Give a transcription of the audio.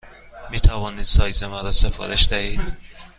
می توانید سایز مرا سفارش دهید؟